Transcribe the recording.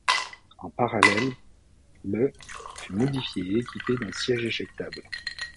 En parallèle, le fut modifié et équipé d'un siège éjectable.